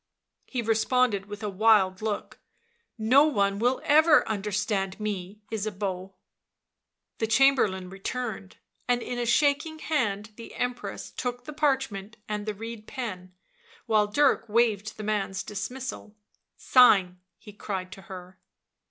He responded with a wild look. " No one will ever understand me, Ysabeau." The Chamberlain returned, and in a shaking hand the Empress took the parchment and the reed pen, while Dirk waved the man's dismissal. " Sign," he cried to her.